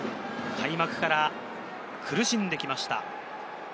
開幕から苦しんできました。